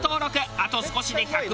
あと少しで１００万人。